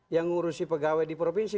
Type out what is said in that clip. yang ngurusi pegawai di provinsi